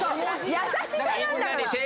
優しさなんだから！